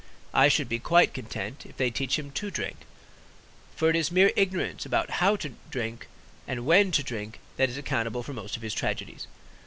I should be quite content if they teach him to drink; for it is mere ignorance about how to drink and when to drink that is accountable for most of his tragedies.